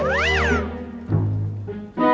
terima kasih mbak